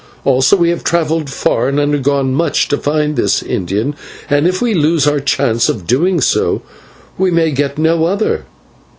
Also we have travelled far and undergone much to find this Indian, and if we lose our chance of doing so, we may get no other."